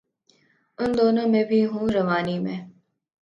ان دنوں میں بھی ہوں روانی میں